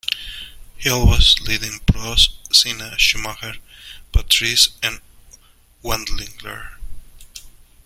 Hill was leading Prost, Senna, Schumacher, Patrese and Wendlinger.